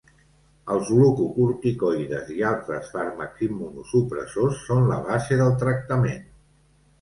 Els glucocorticoides i altres fàrmacs immunosupressors són la base del tractament.